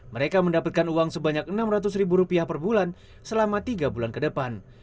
mereka mendapatkan uang sebanyak rp enam ratus ribu rupiah per bulan selama tiga bulan ke depan